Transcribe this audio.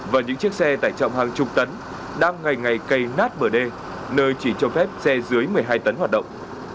và những chiếc xe tải trọng hàng chục tấn đang ngày ngày cây nát bờ đê nơi chỉ cho phép xe dưới một mươi hai tấn hoạt động